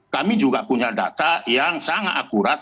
kami juga punya data yang sangat akurat